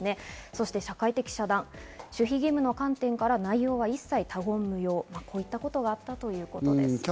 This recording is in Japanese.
そして社会的遮断、守秘義務の観点から内容はいっさい他言無用ということがあったということです。